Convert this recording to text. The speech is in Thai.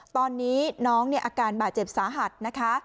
ตอนนี้น้องเนี่ยอาการบาดเจ็บสาหัสนะคะ